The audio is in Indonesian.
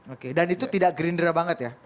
oke dan itu tidak gerindra banget ya